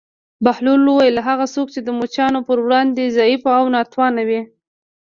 بهلول وویل: هغه څوک چې د مچانو پر وړاندې ضعیف او ناتوانه وي.